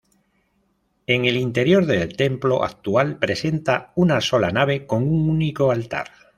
En el interior del templo actual presenta una sola nave con un único altar.